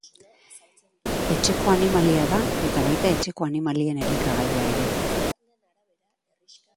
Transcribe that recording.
Etxeko animalia da eta baita etxeko animalien elikagaia ere.